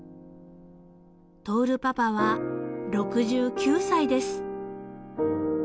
亨パパは６９歳です］